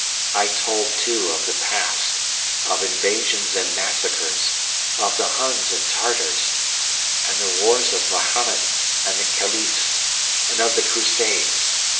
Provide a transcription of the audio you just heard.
I told, too, of the past, of invasions and massacres, of the Huns and Tartars, and the wars of Mahomet and the Caliphs, and of the Crusades.